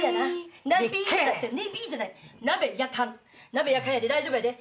なべやかんやで大丈夫やで！